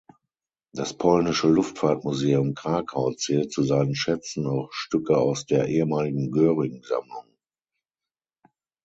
Das Polnische Luftfahrtmuseum Krakau zählt zu seinen Schätzen auch Stücke aus der ehemaligen „Göring-Sammlung“.